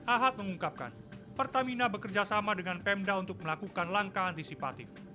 ahad mengungkapkan pertamina bekerja sama dengan pemda untuk melakukan langkah antisipatif